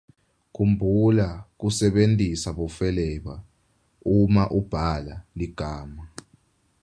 Khumbula kusebentisa bofeleba uma ubhala ligama.